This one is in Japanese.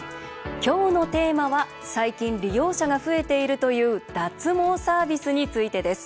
今日のテーマは最近、利用者が増えているという脱毛サービスについてです。